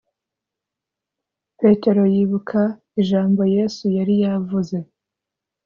Petero yibuka ijambo Yesu yari yavuze